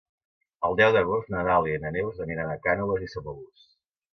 El deu d'agost na Dàlia i na Neus aniran a Cànoves i Samalús.